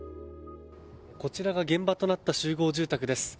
こちらが現場となった集合住宅です。